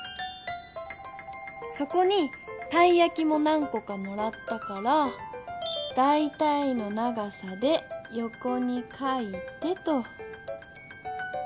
そこにたいやきも何こかもらったからだいたいの長さでよこに書いてと。